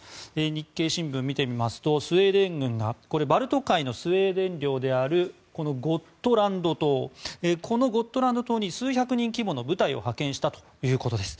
日経新聞を見てみますとスウェーデン軍がバルト海のスウェーデン領であるゴットランド島このゴットランド島に数百人規模の部隊を派遣したということです。